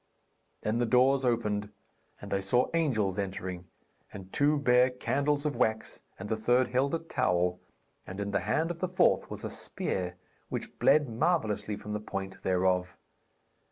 Then the doors opened and they saw angels entering; and two bare candles of wax, and the third held a towel, and in the hand of the fourth was a spear which bled marvellously from the point thereof.